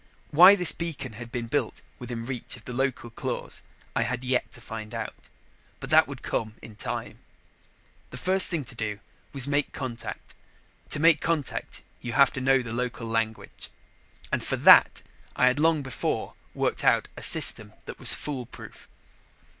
Why this beacon had been built within reach of the local claws, I had yet to find out. But that would come in time. The first thing to do was make contact. To make contact, you have to know the local language. And, for that, I had long before worked out a system that was fool proof.